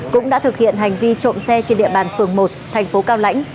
cũng đã thực hiện hành vi trộm xe trên địa bàn phường một thành phố cao lãnh